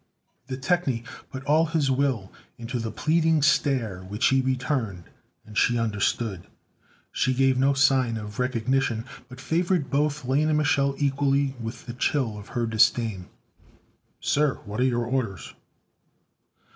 The technie put all his will into the pleading stare which he returned, and she understood. She gave no sign of recognition, but favored both Lane and Mich'l equally with the chill of her disdain. "Sir, what are your orders?"